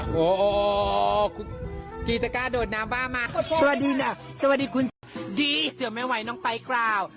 นี่ดาการลดน้ำบ้ามาไหนตัวดีแล้ววันนี้คุณดีเสื่อไม่ไหวน้องไปกล่าว